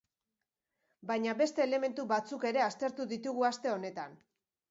Baina beste elementu batzuk ere aztertu ditugu aste honetan.